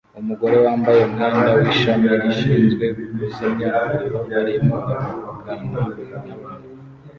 Umugore wambaye umwenda w'ishami rishinzwe kuzimya umuriro arimo avugana n'abantu